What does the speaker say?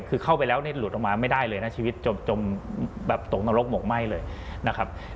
คือเข้าไปแล้วเนี่ยหลุดออกมาไม่ได้เลยนะชีวิตจมแบบตกนรกหมกไหม้เลยนะครับ